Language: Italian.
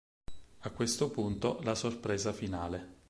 A questo punto la sorpresa finale.